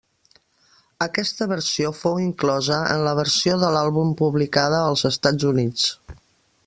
Aquesta versió fou inclosa en la versió de l'àlbum publicada als Estats Units.